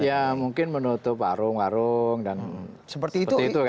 ya mungkin menutup warung warung dan seperti itu ya